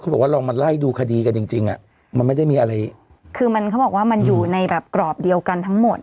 บอกว่าลองมาไล่ดูคดีกันจริงจริงอ่ะมันไม่ได้มีอะไรคือมันเขาบอกว่ามันอยู่ในแบบกรอบเดียวกันทั้งหมด